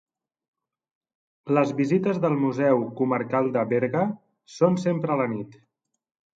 Les visites del Museu Comarcal de Berga són sempre a la nit.